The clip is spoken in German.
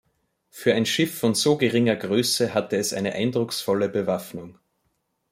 Für ein Schiff von so geringer Größe hatte es eine eindrucksvolle Bewaffnung.